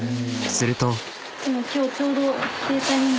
すると。